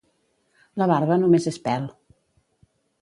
La barba només és pèl.